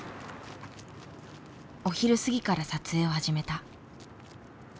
お昼過ぎから撮影を始めた。